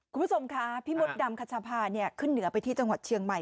คุณผู้ชมคะพี่มดดำคัชภาขึ้นเหนือไปที่จังหวัดเชียงใหม่